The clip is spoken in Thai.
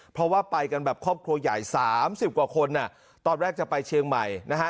เพราะว่าไปกันแบบครอบครัวใหญ่๓๐กว่าคนตอนแรกจะไปเชียงใหม่นะฮะ